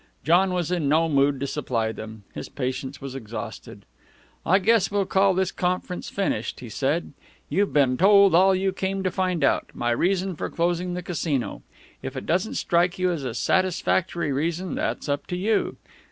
John was in no mood to supply them. His patience was exhausted. "I guess we'll call this conference finished," he said. "You've been told all you came to find out, my reason for closing the Casino. If it doesn't strike you as a satisfactory reason, that's up to you.